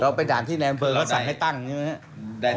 ไปด่านที่ในอำเภอเขาสั่งให้ตั้งใช่ไหมครับ